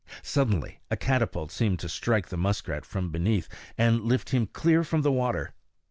Suddenly a catapult seemed to strike the muskrat from beneath and lift him clear from the water.